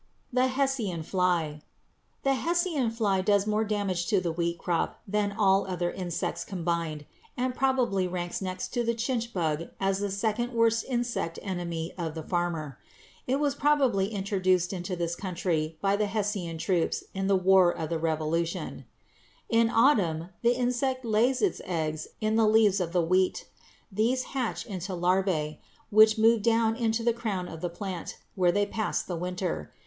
=The Hessian Fly.= The Hessian fly does more damage to the wheat crop than all other insects combined, and probably ranks next to the chinch bug as the second worst insect enemy of the farmer. It was probably introduced into this country by the Hessian troops in the War of the Revolution. [Illustration: FIG. 169. THE HESSIAN FLY] In autumn the insect lays its eggs in the leaves of the wheat. These hatch into the larvæ, which move down into the crown of the plant, where they pass the winter.